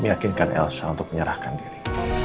meyakinkan elsa untuk menyerahkan diri